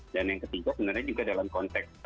dan yang ketiga sebenarnya juga dalam konteks